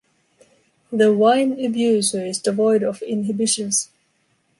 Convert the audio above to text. The wine abuser is devoid of inhibitions.